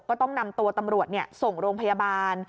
ก็ต้องนำตัวตำรวจส่งโรงพยาบาล